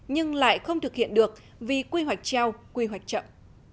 nhưng lại không thực hiện được vì quy hoạch treo quy hoạch chậm